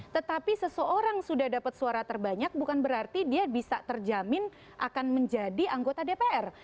tetapi seseorang sudah dapat suara terbanyak bukan berarti dia bisa terjamin akan menjadi anggota dpr